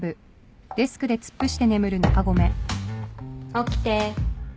起きて。